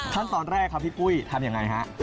ขั้นตอนแรกครับพี่กุ้ยทำอย่างไรครับ